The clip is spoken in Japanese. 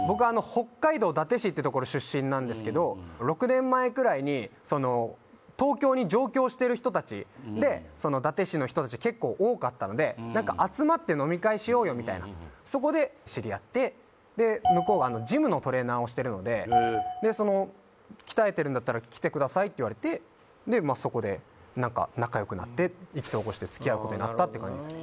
北海道伊達市ってところ出身なんですけど６年前くらいに東京に上京している人達で伊達市の人達結構多かったので集まって飲み会しようよみたいなそこで知り合って向こうジムのトレーナーをしてるので鍛えてるんだったら来てくださいって言われてでまっそこで何か仲良くなって意気投合して付き合うことになったって感じっすね